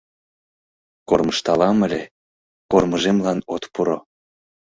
Кормыжталам ыле, кормыжемлан от пуро